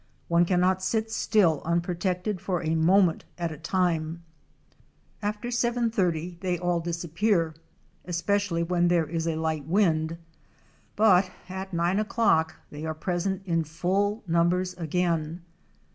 One cannot sit still unprotected for a moment at a time. After 7.30 they all disappear, especially when there is a light wind, but at nine o'clock they are present in full numbers again.